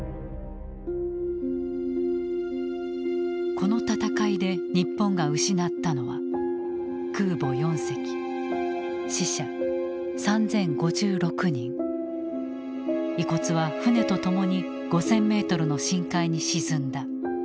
この戦いで日本が失ったのは遺骨は船と共に５，０００メートルの深海に沈んだ。